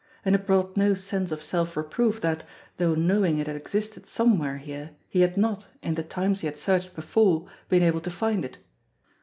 And it brought no sense of self reproof that, though know ing it had existed somewhere here, he had not, in the times he had searched before, been able to find it.